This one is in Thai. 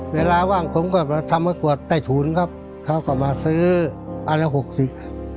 เวลาว่างผมก็ทำมากวดใต้ถุนครับเขาก็มาซื้ออันละหกสิบ